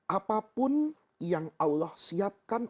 apapun yang allah siapkan